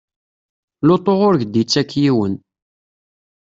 Lutu ur k-d-ittak yiwen.